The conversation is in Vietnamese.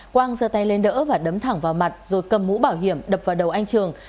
quang dơ tay lên đỡ và đấm thẳng vào mặt rồi cầm mũ bảo hiểm đập vào đầu anh trường